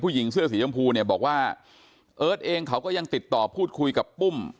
หญิงเสื้อสีชมพูเนี่ยบอกว่าเอิร์ทเองเขาก็ยังติดต่อพูดคุยกับปุ้ม